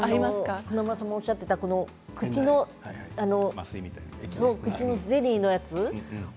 黒沢華丸さんもおっしゃってた口の麻酔のゼリーのやつ